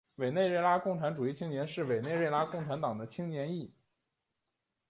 委内瑞拉共产主义青年是委内瑞拉共产党的青年翼。